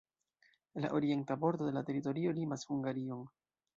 La orienta bordo de la teritorio limas Hungarion.